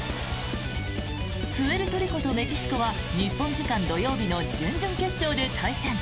プエルトリコとメキシコは日本時間土曜日の準々決勝で対戦。